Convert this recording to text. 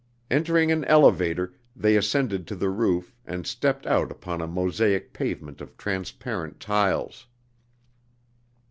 Entering an elevator, they ascended to the roof and stepped out upon a mosaic pavement of transparent tiles.